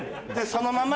そのまま。